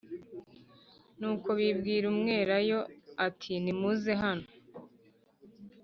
Nuko bibwira umwelayo ati nimuze hano